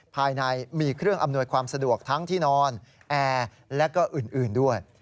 ภายในมีเครื่องอำนวยความสะดวกทั้งที่นอนแอร์และก็อื่นด้วย